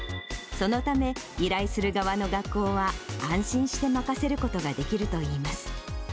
そのため、依頼する側の学校は、安心して任せることができるといいます。